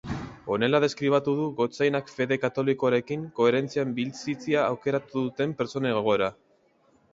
Honela deskribatu du gotzainak fede katolikoarekin koherentzian bizitzea aukeratu duten pertsonen egoera.